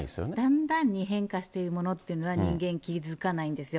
だんだんに変化しているものっていうのは、人間、気付かないんですよ。